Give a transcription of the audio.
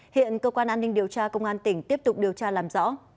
hiện cơ quan an ninh điều tra công an tỉnh tiếp tục điều tra làm rõ